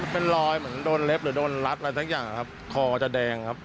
เป็นรอยเหมือนโดนเล็บหรือโดนรัดอะไรสักอย่างครับคอจะแดงครับ